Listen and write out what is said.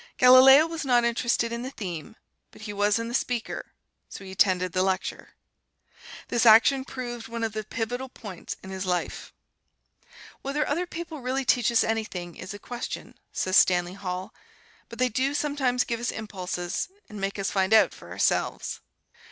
Galileo was not interested in the theme, but he was in the speaker, and so he attended the lecture. This action proved one of the pivotal points in his life. "Whether other people really teach us anything, is a question," says Stanley Hall; "but they do sometimes give us impulses, and make us find out for ourselves."